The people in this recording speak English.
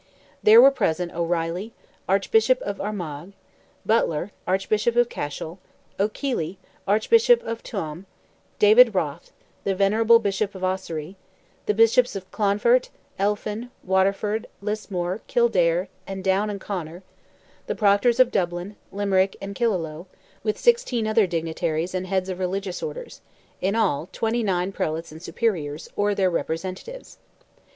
There were present O'Reilly, Archbishop of Armagh; Butler, Archbishop of Cashel; O'Kealy, Archbishop of Tuam; David Rothe, the venerable Bishop of Ossory; the Bishops of Clonfert, Elphin, Waterford, Lismore, Kildare, and Down and Conor; the proctors of Dublin, Limerick, and Killaloe, with sixteen other dignitaries and heads of religious orders—in all, twenty nine prelates and superiors, or their representatives.